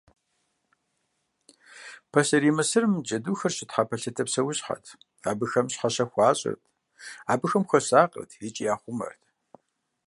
Пасэрей Мысырым джэдухэр щытхьэпэлъытэ псэущхьэт, абыхэм щхьэщэ хуащӏырт, абыхэм хуэсакъырт икӏи яхъумэрт.